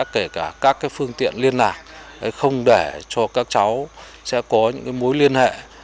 kể cả các phương tiện liên lạc không để cho các cháu sẽ có những mối liên hệ